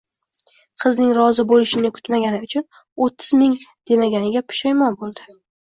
Qizning rozi bo`lishini kutmagani uchun o`ttiz ming demaganiga pushaymon bo`ldi